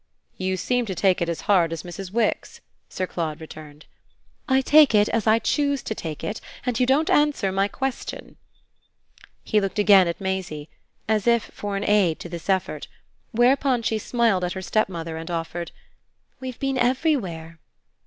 "You seem to take it as hard as Mrs. Wix," Sir Claude returned. "I take it as I choose to take it, and you don't answer my question." He looked again at Maisie as if for an aid to this effort; whereupon she smiled at her stepmother and offered: "We've been everywhere."